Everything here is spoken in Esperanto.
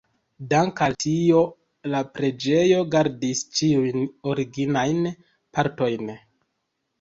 Dank' al tio la preĝejo gardis ĉiujn originajn partojn.